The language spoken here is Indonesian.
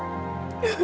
nanti ibu mau pelangi